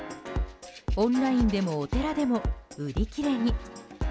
オンラインでも、お寺でも売り切れに。